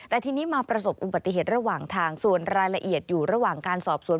แต่ทีนี้มาประสบอุบัติเหตุระหว่างทางส่วนรายละเอียดอยู่ระหว่างการสอบสวน